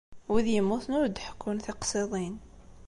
Wid yemmuten ur d-ḥekkun tiqsiḍin.